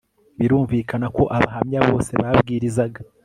birumvikana ko abahamya bose babwirizaga